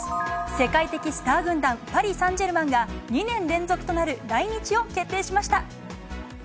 世界的スター軍団、パリサンジェルマンが、２年連続となる来日を決定しました。